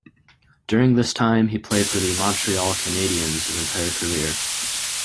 During this time, he played for the Montreal Canadiens his entire career.